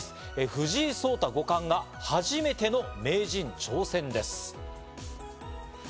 藤井聡太五冠が初めての名人挑戦です。